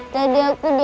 tadi aku jatuh